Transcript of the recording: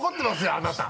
あなた。